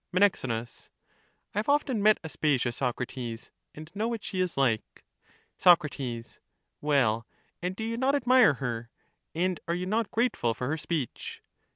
Men. I have often met Aspasia, Socrates, and know what she is like. Soc. Well, and do you not admire her, and are you not grateful for her speech?